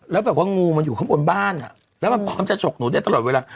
แล้วแบบว่างูมันอยู่ข้างบนบ้านแล้วมันพร้อมจะฉกหนูได้ตลอดเวลา